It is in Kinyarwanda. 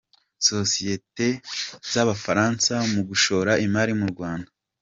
Sosiyete z’Abafaransa mu gushora imari mu Rwanda